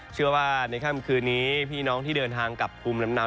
เชื่อว่าในค่ำคืนนี้พี่น้องที่เดินทางกลับภูมิลำเนา